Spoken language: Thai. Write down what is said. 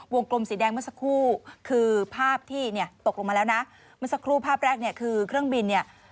กลมสีแดงเมื่อสักครู่คือภาพที่เนี่ยตกลงมาแล้วนะเมื่อสักครู่ภาพแรกเนี่ยคือเครื่องบินเนี่ย